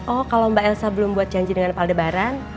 oh kalau mbak elsa belum buat janji dengan paldebaran